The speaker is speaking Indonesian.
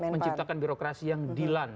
menciptakan birokrasi yang dilan